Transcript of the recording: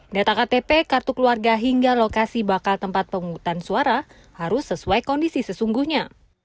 data ktp kartu keluarga hingga lokasi bakal tempat pemungutan suara harus sesuai kondisi sesungguhnya